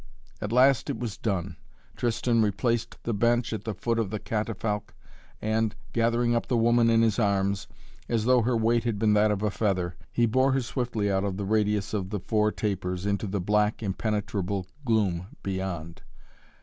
At last it was done. Tristan replaced the bench at the foot of the catafalque and, gathering up the woman in his arms, as though her weight had been that of a feather, he bore her swiftly out of the radius of the four tapers into the black, impenetrable gloom beyond.